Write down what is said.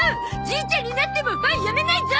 じいちゃんになってもファンやめないゾ！